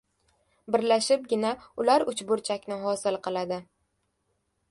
Birlashibgina ular uchburchakni hosil qiladi.